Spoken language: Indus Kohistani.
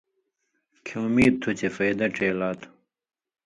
کھیں اُمید تُھو چے فَیدہ ڇېلا تُھو۔